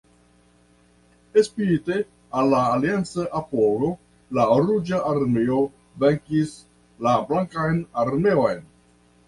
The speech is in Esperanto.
Spite al la alianca apogo, la Ruĝa Armeo venkis la Blankan Armeon.